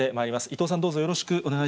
伊藤さん、どうぞよろしくお願い